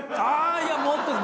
いやもっとです。